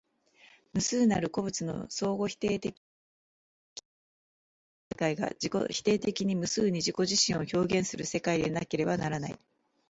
無数なる個物の相互否定的統一の世界は、逆に一つの世界が自己否定的に無数に自己自身を表現する世界でなければならない。